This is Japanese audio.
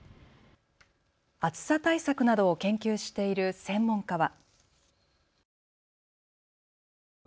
暑さ対策などを研究している専門家は。